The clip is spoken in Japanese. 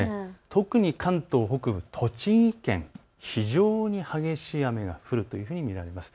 特に関東北部、栃木県で非常に激しい雨が降ると見られます。